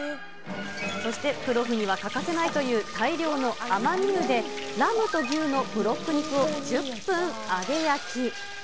そしてプロフには欠かせないという、大量のアマニ油でラムと牛のブロック肉を１０分揚げ焼き。